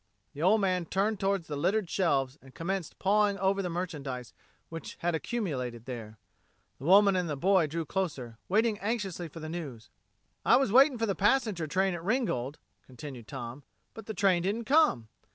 The old man turned toward the littered shelves and commenced pawing over the merchandise which had accumulated there. The woman and the boy drew closer, waiting anxiously for the news. "I was waiting for the passenger train at Ringgold," continued Tom. "But the train didn't come.